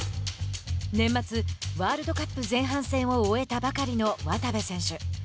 年末、ワールドカップ前半戦を終えたばかりの渡部選手。